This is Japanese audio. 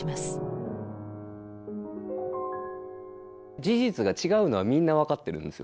事実が違うのはみんな分かってるんですよ。